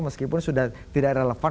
meskipun sudah tidak relevan